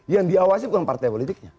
yang diawasi bukan partai politiknya